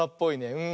うん。